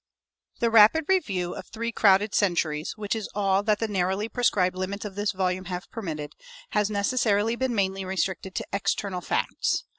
The rapid review of three crowded centuries, which is all that the narrowly prescribed limits of this volume have permitted, has necessarily been mainly restricted to external facts.